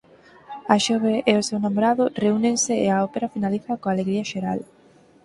A xove e seu namorado reúnense e a ópera finaliza coa alegría xeral.